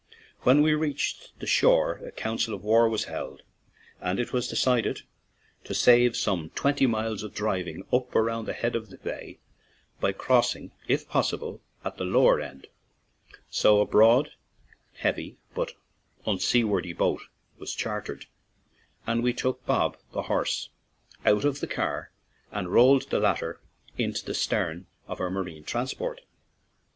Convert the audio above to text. When we reached the shore a coun cil of war was held, and it was decided to save some twenty miles of driving up round the head of the bay, by crossing, if possible, at the lower end; so a broad, heavy, but unseaworthy boat was chartered, and we took Bob, the horse, out of the car and rolled the latter into the stern of our marine transport.